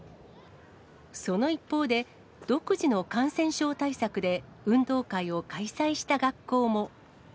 その一方で、独自の感染症対策で運動会を開催した学校も。